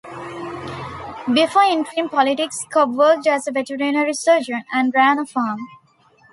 Before entering politics Cobb worked as a veterinary surgeon and ran a farm.